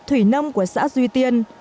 thủy nông của xã duy tiên